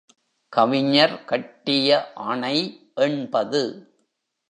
கவிஞர் கட்டிய அணை எண்பது.